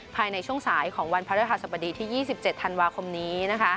ภายในช่วงสายของวันพระฤหัสบดีที่๒๗ธันวาคมนี้